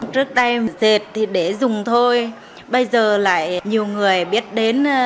trước đây dệt thì để dùng thôi bây giờ lại nhiều người biết đến cái đồ truyền thống của mình để mà